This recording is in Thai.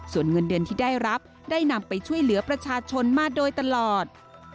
ส่วนเงินเดือนที่ได้รับได้นำไปช่วยเหลือประชาชนมาโดยตลอด